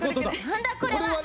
何だこれは？